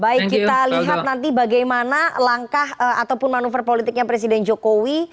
baik kita lihat nanti bagaimana langkah ataupun manuver politiknya presiden jokowi